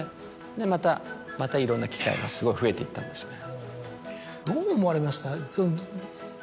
でまたいろんな機会がすごい増えていったんですね。